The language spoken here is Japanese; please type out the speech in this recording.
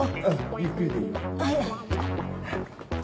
ゆっくりでいい。